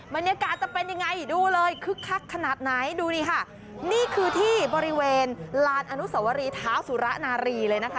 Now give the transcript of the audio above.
บรรยากาศจะเป็นยังไงดูเลยคึกคักขนาดไหนดูนี่ค่ะนี่คือที่บริเวณลานอนุสวรีเท้าสุระนารีเลยนะคะ